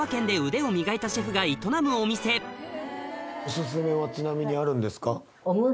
続いてはちなみにあるんですか？